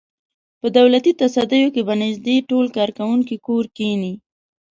په دولتي تصدیو کې به نږدې ټول کارکوونکي کور کېني.